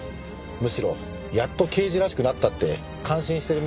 むしろ「やっと刑事らしくなった」って感心してるみたいです。